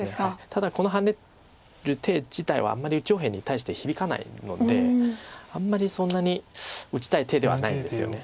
ただこのハネる手自体はあんまり上辺に対して響かないのであんまりそんなに打ちたい手ではないんですよね。